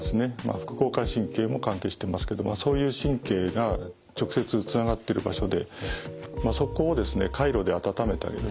副交感神経も関係してますけどもそういう神経が直接つながってる場所でそこをですねカイロで温めてあげる。